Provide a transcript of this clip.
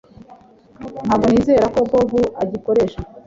Ntabwo nizera ko Bobo agikoresha